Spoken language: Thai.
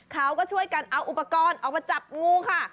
เขาก็ช่วยกันเอาอุปกรณ์ออกมาจับงูค่ะ